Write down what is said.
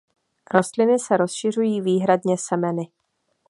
Rostliny se rozšiřují výhradně semeny.